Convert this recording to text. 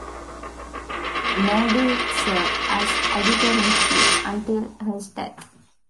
Medill served as editor-in-chief until his death.